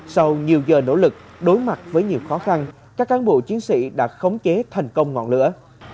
sau nhiều giờ nỗ lực đối mặt với nhiều khó khăn các cán bộ chiến sĩ đã khống chế thành công ngọn lửa